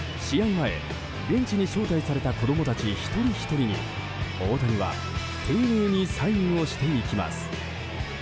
前、ベンチに招待された子供たち一人ひとりに大谷は丁寧にサインをしていきます。